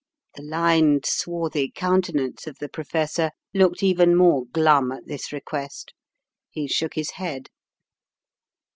The lined, swarthy countenance of the Professor looked even more glum at this request. He shook his head.